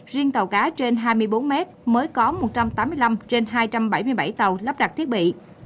riêng tàu cá trên hai mươi bốn mét mới có một trăm tám mươi năm trên hai trăm bảy mươi bảy tàu lắp đặt thiết bị